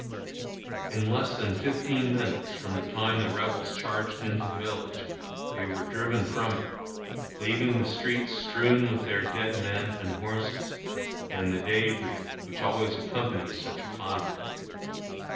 In less than fifteen minutes from the time the Rebels charged into the village they were driven from it, leaving the streets strewn with their dead men and horses, and the débris which always accompanies such a conflict.